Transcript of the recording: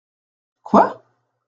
Quoi ?